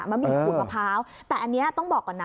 หมี่ขูดมะพร้าวแต่อันนี้ต้องบอกก่อนนะ